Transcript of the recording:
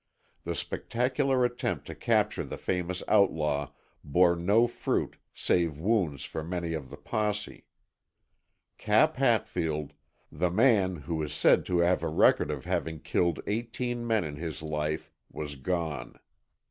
The spectacular attempt to capture the famous outlaw bore no fruit save wounds for many of the posse. Cap Hatfield, the man who is said to have a record of having killed eighteen men in his life, was gone.